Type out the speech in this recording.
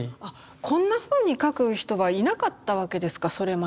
こんなふうに描く人はいなかったわけですかそれまで。